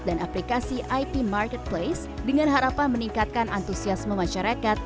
aplikasi ip marketplace dengan harapan meningkatkan antusiasme masyarakat